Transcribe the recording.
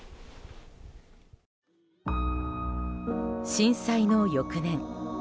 震災の翌年。